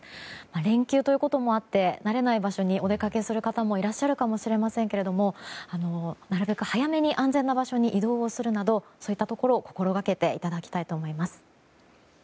連休ということもあって慣れない場所にお出かけする方もいらっしゃるかもしれませんけどなるべく早めに安全な場所に移動するなどそういったことを心がけていただきたいです。